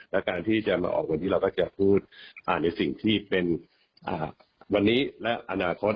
และการที่จะมาออกวันนี้เราก็จะพูดอ่านในสิ่งที่เป็นวันนี้และอนาคต